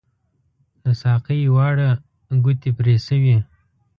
د ساقۍ واړه ګوتې پري شوي